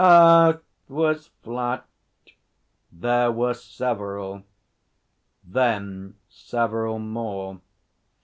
'Earth was flat.' There were several. Then several more.